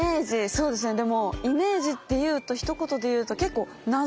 そうですねでもイメージってひと言でいうと結構謎？